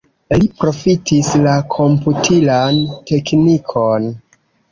Li profitis la komputilan teknikon.